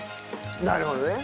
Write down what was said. なるほどね。